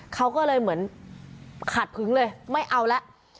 เขาก็เลยเหมือนขาดผึ้งเลยไม่เอาแล้ว